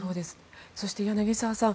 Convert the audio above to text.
そして柳澤さん